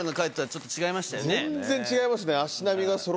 全然違いますね。